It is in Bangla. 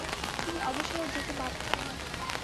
তিনি অবসরে যেতে বাধ্য হন।